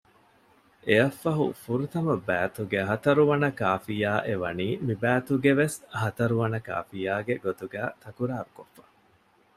އެއަށްފަހު ފުރަތަމަ ބައިތުގެ ހަތަރުވަނަ ކާފިޔާ އެ ވަނީ މި ބައިތުގެ ވެސް ހަތަރުވަނަ ކާފިޔާގެ ގޮތުގައި ތަކުރާރުކޮށްފަ